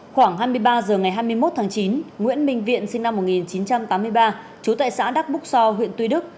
khoảng hai mươi ba h ngày hai mươi một tháng chín nguyễn minh viện sinh năm một nghìn chín trăm tám mươi ba trú tại xã đắc búc so huyện tuy đức